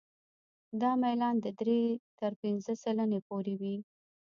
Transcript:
دا میلان د درې تر پنځه سلنې پورې وي